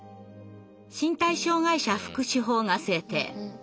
「身体障害者福祉法」が制定。